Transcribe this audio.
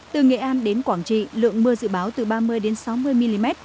từ nghệ an đến quảng trị lượng mưa dự báo từ ba mươi sáu mươi mm